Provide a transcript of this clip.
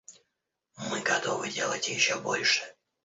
Мы готовы делать еще больше.